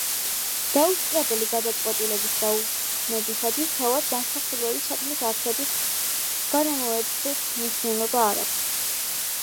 დაუსწრებელი გადაწყვეტილების გაუქმებისათვის თავად განსახილველი საქმის არსებით გარემოებებს მნიშვნელობა არ აქვს.